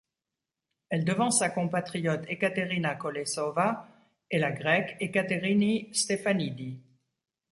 Elle devance sa compatriote Ekaterina Kolesova et la Grecque Ekateríni Stefanídi.